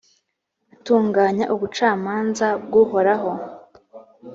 atunganya ubucamanza bw’uhoraho.